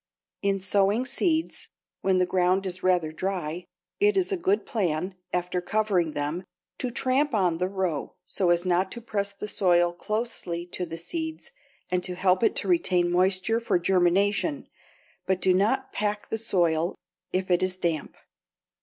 In sowing seeds when the ground is rather dry, it is a good plan, after covering them, to tramp on the row so as to press the soil closely to the seeds and to help it to retain moisture for germination, but do not pack the soil if it is damp.